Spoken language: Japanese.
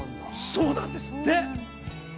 そうなんですって。